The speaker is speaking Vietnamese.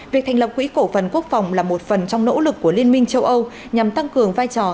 việc thành lập quỹ cổ phần quốc phòng là một phần trong nỗ lực của liên minh châu âu nhằm tăng cường vai trò